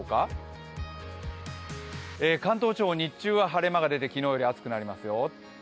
関東地方、日中は晴れ間が出て昨日より暑くなりますよ。